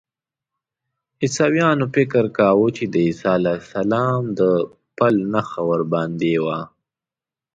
عیسویانو فکر کاوه د عیسی علیه السلام د پل نښه ورباندې وه.